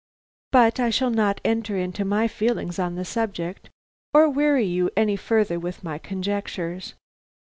But I shall not enter into my feelings on the subject, or weary you any further with my conjectures.